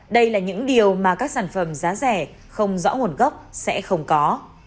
đây là những điều mà các sản phẩm giá rẻ không rõ nguồn gốc sẽ không có